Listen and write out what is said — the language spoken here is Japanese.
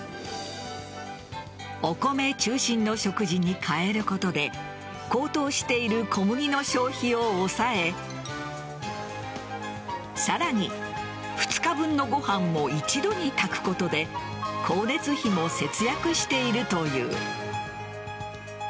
お米中心の食事に変えることで高騰している小麦の消費を抑えさらに２日分のご飯を一度に炊くことで光熱費も節約しているという。